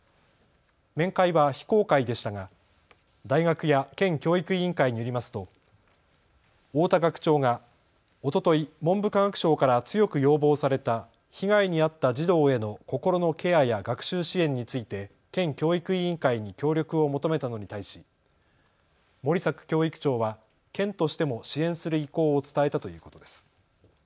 面会は非公開でしたが大学や県教育委員会によりますと太田学長がおととい文部科学省から強く要望された被害に遭った児童への心のケアや学習支援について県教育委員会に協力を求めたのに対し森作教育長は県としても支援する意向を伝えたということです。